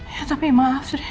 ya tapi maaf sudi